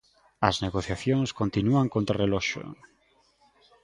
As negociacións continúan contrarreloxo.